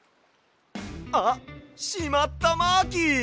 あっしまったマーキー！